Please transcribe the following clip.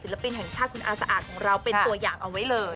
สิลปินของชาติคุณอาสอาทเป็นตัวอย่างเอาไว้เลย